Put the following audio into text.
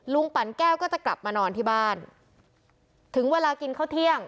ปั่นแก้วก็จะกลับมานอนที่บ้านถึงเวลากินข้าวเที่ยง